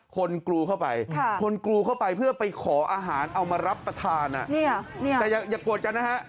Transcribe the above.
คนกลูเข้าไปเพื่อไปขออาหารเอามารับประทานน่ะแต่อย่ากลัวจันนะฮะ